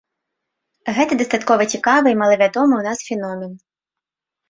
Гэта дастаткова цікавы і малавядомы ў нас феномен.